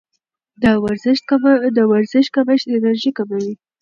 د ورزش کمښت انرژي کموي.